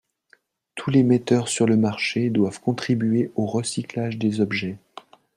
Tous les metteurs sur le marché doivent contribuer au recyclage des objets.